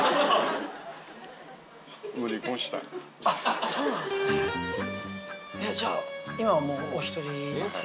・あっそうなんですね。